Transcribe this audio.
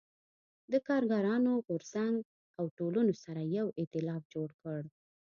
د کارګرانو غو رځنګ او ټولنو سره یو اېتلاف جوړ کړ.